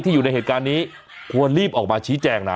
อยู่ในเหตุการณ์นี้ควรรีบออกมาชี้แจงนะ